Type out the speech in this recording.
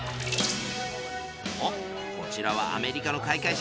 こちらはアメリカの開会式。